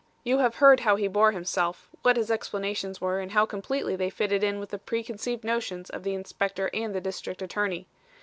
"You have heard how he bore himself; what his explanations were and how completely they fitted in with the preconceived notions of the Inspector and the District Attorney.